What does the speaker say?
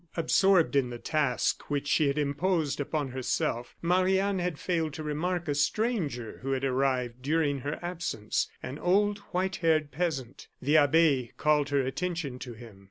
Absorbed in the task which she had imposed upon herself, Marie Anne had failed to remark a stranger who had arrived during her absence an old white haired peasant. The abbe called her attention to him.